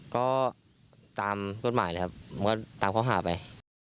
ก็ตามกฎหมายเลยครับมันก็ตามเขาหาไป